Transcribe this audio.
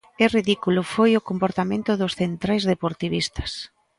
E ridículo foi o comportamento dos centrais deportivistas.